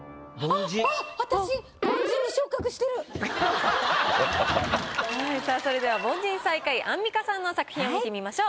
私さあそれでは凡人最下位アンミカさんの作品を見てみましょう。